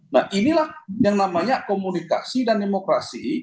nah inilah yang namanya komunikasi dan demokrasi